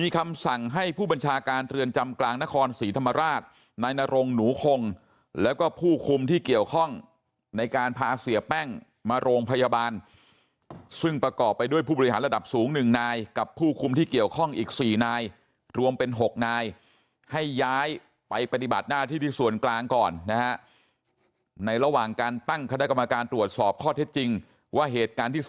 คำสั่งให้ผู้บัญชาการเรือนจำกลางนครศรีธรรมราชนายนรงหนูคงแล้วก็ผู้คุมที่เกี่ยวข้องในการพาเสียแป้งมาโรงพยาบาลซึ่งประกอบไปด้วยผู้บริหารระดับสูง๑นายกับผู้คุมที่เกี่ยวข้องอีก๔นายรวมเป็น๖นายให้ย้ายไปปฏิบัติหน้าที่ที่ส่วนกลางก่อนนะฮะในระหว่างการตั้งคณะกรรมการตรวจสอบข้อเท็จจริงว่าเหตุการณ์ที่